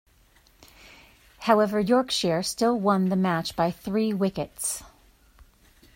However, Yorkshire still won the match by three wickets.